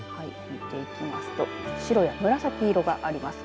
見ていきますと白や紫色があります。